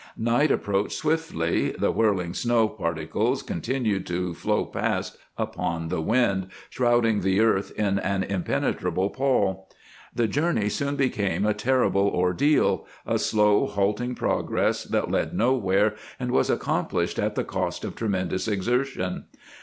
Night approached swiftly, the whirling snow particles continued to flow past upon the wind, shrouding the earth in an impenetrable pall. The journey soon became a terrible ordeal, a slow, halting progress that led nowhere and was accomplished at the cost of tremendous exertion.